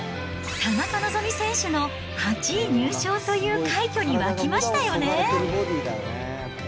田中希実選手の８位入賞という快挙に沸きましたよね。